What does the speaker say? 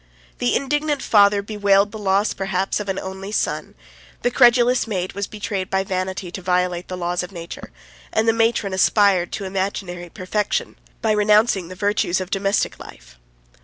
The indignant father bewailed the loss, perhaps, of an only son; 27 the credulous maid was betrayed by vanity to violate the laws of nature; and the matron aspired to imaginary perfection, by renouncing the virtues of domestic life.